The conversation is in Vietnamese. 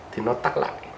thì nó tắt lại